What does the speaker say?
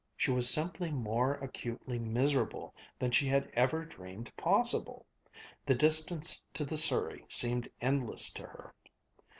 She was simply more acutely miserable than she had ever dreamed possible. The distance to the surrey seemed endless to her.